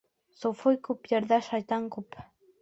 Суфый күп ерҙә шайтан күп.